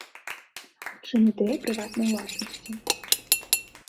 У чым ідэя прыватнай ўласнасці?